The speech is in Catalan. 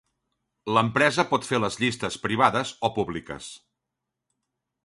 L'empresa pot fer les llistes privades o públiques.